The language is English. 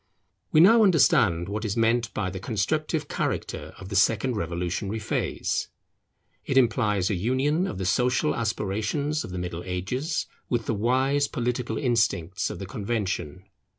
We now understand what is meant by the constructive character of the second revolutionary phase. It implies a union of the social aspirations of the Middle Ages with the wise political instincts of the Convention.